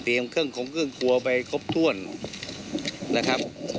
เครื่องของเครื่องครัวไปครบถ้วนนะครับ